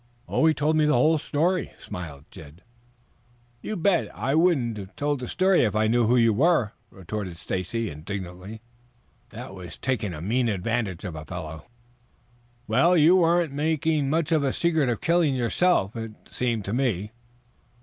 "Oh, he told me the whole story," smiled Jed. "You bet I wouldn't if I had known who you were," retorted Stacy indignantly. "That was taking a mean advantage of a fellow." "Well, you weren't making much of a secret of the killing yourself, it seemed to me."